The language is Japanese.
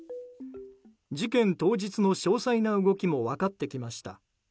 事件当日の詳細な動きも分かってきました。